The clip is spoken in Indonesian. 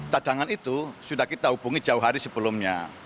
cadangan itu sudah kita hubungi jauh hari sebelumnya